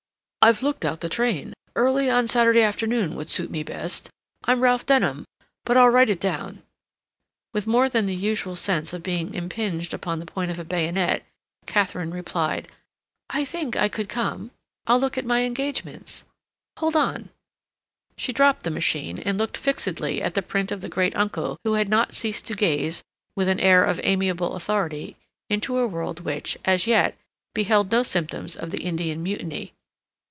"I've looked out the train.... Early on Saturday afternoon would suit me best.... I'm Ralph Denham.... But I'll write it down...." With more than the usual sense of being impinged upon the point of a bayonet, Katharine replied: "I think I could come. I'll look at my engagements.... Hold on." She dropped the machine, and looked fixedly at the print of the great uncle who had not ceased to gaze, with an air of amiable authority, into a world which, as yet, beheld no symptoms of the Indian Mutiny.